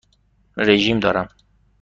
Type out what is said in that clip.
رژیم دارم.